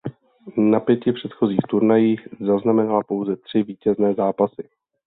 Na pěti předchozích turnajích zaznamenala pouze tři vítězné zápasy.